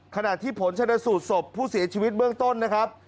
ขณะที่ผลชนะสูตรศพผู้เสียชีวิตเบื้องต้นนะครับ